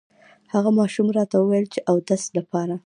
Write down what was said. هغه ماشوم راته ووې چې اودس لپاره